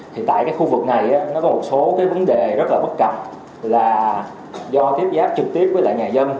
thì tại cái khu vực này nó có một số cái vấn đề rất là bất cập là do tiếp giáp trực tiếp với lại nhà dân